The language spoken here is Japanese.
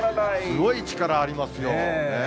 すごい力ありますよ。